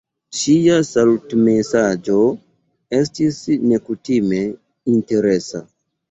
Ŝia salutmesaĝo estis nekutime interesa.